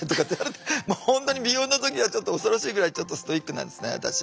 本当に美容の時はちょっと恐ろしいぐらいちょっとストイックなんですね私。